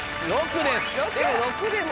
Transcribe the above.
６です。